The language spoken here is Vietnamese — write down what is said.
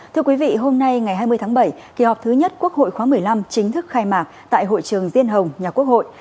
thưa quý vị hôm nay ngày hai mươi tháng bảy kỳ họp thứ nhất quốc hội khóa một mươi năm chính thức khai mạc tại hội trường diên hồng nhà quốc hội